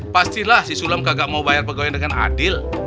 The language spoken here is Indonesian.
pastilah si sulam kagak mau bayar pegawai dengan adil